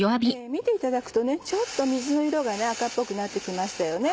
見ていただくとちょっと水の色が赤っぽくなって来ましたよね。